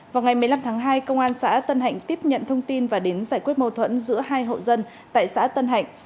vào ngày một mươi năm tháng hai công an xã tân hạnh tiếp nhận thông tin và đến giải quyết mâu thuẫn giữa hai hộ dân tại xã tân hạnh